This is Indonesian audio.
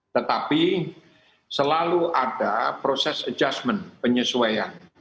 tetapi selalu ada proses adjustment penyesuaian